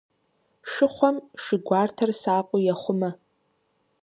Шыхъуэм шы гуартэр сакъыу ехъумэ.